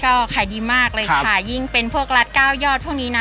ก็ขายดีมากเลยค่ะยิ่งเป็นพวกรัฐเก้ายอดพวกนี้นะ